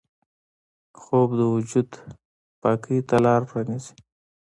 خوب د وجود پاکۍ ته لاره پرانیزي